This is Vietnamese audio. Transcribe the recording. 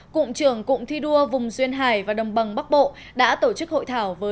cụng trưởng cụng thi đua vùng duyên hải và đồng bằng bắc bộ đã tổ chức hội thảo